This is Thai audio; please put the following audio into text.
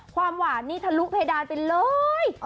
ความหวานนี่ทะลุเพดานไปเลย